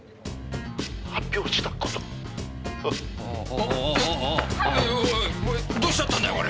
おいおいどうしちゃったんだよこれ！